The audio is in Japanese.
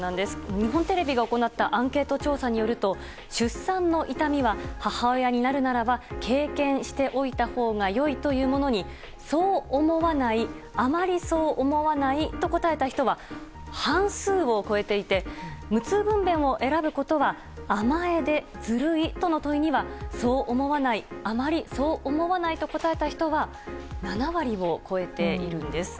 日本テレビが行ったアンケート調査によると出産の痛みは母親になるならば経験しておいたほうが良いというものにそう思わないあまりそう思わないと答えた人は半数を超えていて無痛分娩を選ぶことは甘えでずるいとの問いにはそう思わないあまりそう思わないと答えた人は７割を超えているんです。